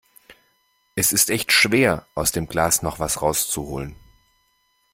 Es ist echt schwer, aus dem Glas noch was rauszuholen.